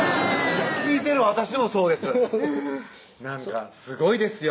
聞いてる私もそうですなんかすごいですよ